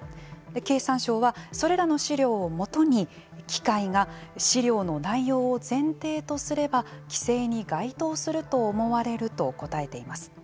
経産省は、それらの資料を基に機械が資料の内容を前提とすれば規制に該当すると思われると答えています。